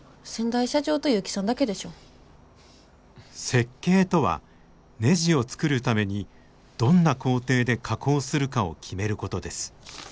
設計とはねじを作るためにどんな工程で加工するかを決めることです。